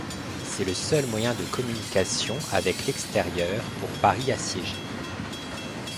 C'est le seul moyen de communication avec l'extérieur pour Paris assiégé.